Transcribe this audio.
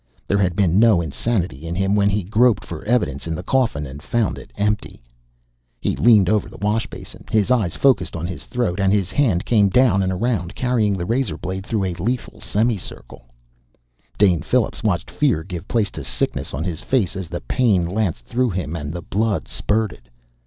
There had been no insanity in him when he'd groped for evidence in the coffin and found it empty! He leaned over the wash basin, his eyes focused on his throat, and his hand came down and around, carrying the razor blade through a lethal semicircle. Dane Phillips watched fear give place to sickness on his face as the pain lanced through him and the blood spurted.